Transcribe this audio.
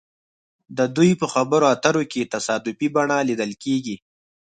د دوی په خبرو اترو کې تصادفي بڼه لیدل کیږي